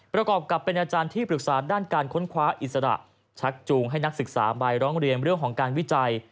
ประกอบกับเป็นอาจารย์ที่ปรึกษาด้านการค้นคว้าอิสระชักจูงให้นักศึกษาใบร้องเรียนเรื่องของการวิจัย